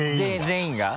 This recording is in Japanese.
全員が？